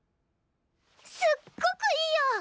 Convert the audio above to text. すっごくいいよ！